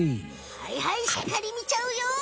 はいはいしっかりみちゃうよ！